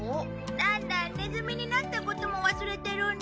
なんだネズミになったことも忘れてるんだ。